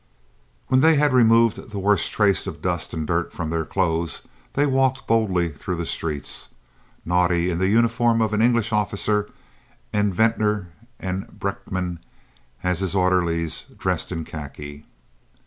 When they had removed the worst traces of dust and dirt from their clothes they walked boldly through the streets, Naudé in the uniform of an English officer and Venter and Brenckmann, as his orderlies, dressed in khaki.